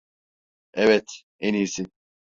Evet, en iyisi.